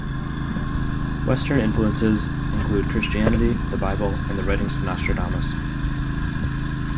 Western influences include Christianity, the Bible and the writings of Nostradamus.